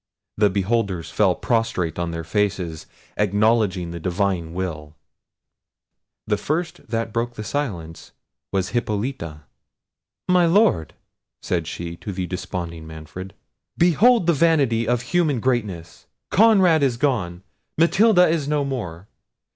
The beholders fell prostrate on their faces, acknowledging the divine will. The first that broke silence was Hippolita. "My Lord," said she to the desponding Manfred, "behold the vanity of human greatness! Conrad is gone! Matilda is no more!